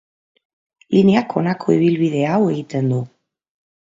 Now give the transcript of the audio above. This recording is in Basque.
Lineak honako ibilbide hau egiten du.